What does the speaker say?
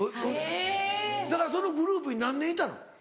だからそのグループに何年いたの？